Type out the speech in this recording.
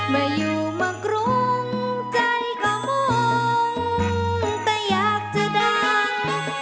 ไม่อยู่มากรุงใจก็มุ่งแต่อยากจะดัง